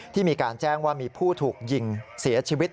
มีการแจ้งว่ามีผู้ถูกยิงเสียชีวิต